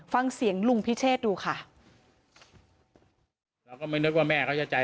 ฟังเสียงลุงพิเชษดูค่ะ